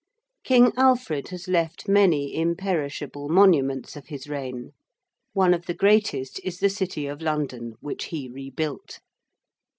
King Alfred has left many imperishable monuments of his reign. One of the greatest is the City of London, which he rebuilt.